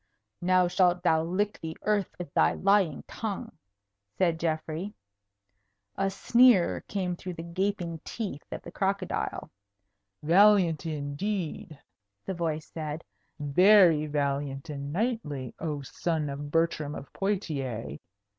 "Now shalt thou lick the earth with thy lying tongue," said Geoffrey. A sneer came through the gaping teeth of the crocodile. "Valiant, indeed!" the voice said. "Very valiant and knightly, oh son of Bertram of Poictiers!